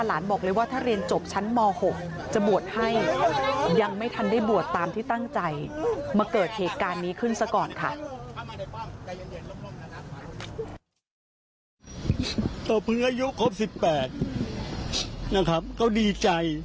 หลานบอกเลยว่าถ้าเรียนจบชั้นม๖จะบวชให้ยังไม่ทันได้บวชตามที่ตั้งใจ